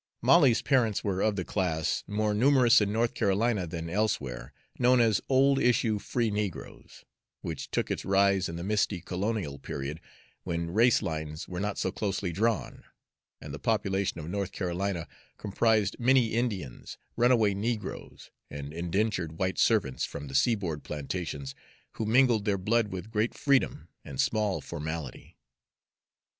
Molly's parents were of the class, more numerous in North Carolina than elsewhere, known as "old issue free negroes," which took its rise in the misty colonial period, when race lines were not so closely drawn, and the population of North Carolina comprised many Indians, runaway negroes, and indentured white servants from the seaboard plantations, who mingled their blood with great freedom and small formality.